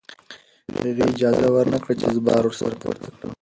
هغې اجازه ورنکړه چې زه بار ورسره پورته کړم.